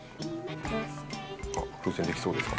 風船できそうですか？